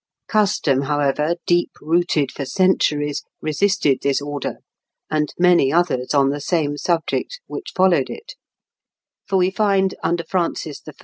Custom, however, deep rooted for centuries, resisted this order, and many others on the same subject which followed it: for we find, under Francis I.